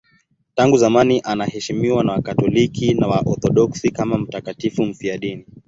Tangu zamani anaheshimiwa na Wakatoliki na Waorthodoksi kama mtakatifu mfiadini.